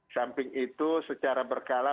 samping itu secara berkala